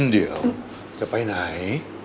เดี๋ยวจะไปไหน